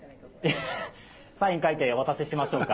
サイン書いてお渡ししましょうか。